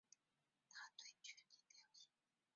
他对权力表现得不感兴趣。